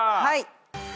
はい。